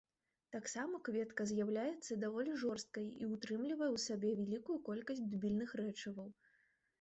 Таксама кветка з'яўляецца даволі жорсткай і ўтрымлівае ў сабе вялікую колькасць дубільных рэчываў.